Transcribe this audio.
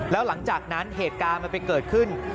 แล้วหลังจากนั้นเหตุการณ์มันไปเกิดขึ้น